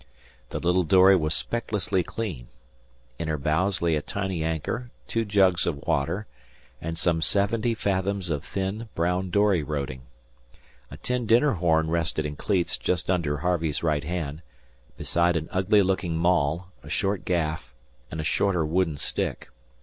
The little dory was specklessly clean. In her bows lay a tiny anchor, two jugs of water, and some seventy fathoms of thin, brown dory roding. A tin dinner horn rested in cleats just under Harvey's right hand, beside an ugly looking maul, a short gaff, and a shorter wooden stick.